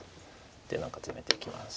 何かツメてきます。